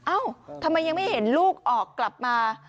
เอ้าทำไมยังไม่เห็นลูกออกกลับมา